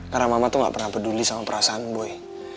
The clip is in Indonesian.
karena mama tuh gak pernah peduli sama perasaan boy